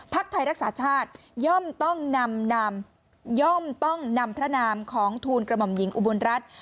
ภาคไทยรักษาชาติย่อมต้องนำพระนามของทูลกระหม่อมหญิงอุบลรัฐ